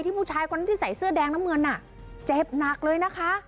ผู้ชายคนที่ใส่เสื้อแดงน้ำเงินน่ะเจ็บหนักเลยนะคะ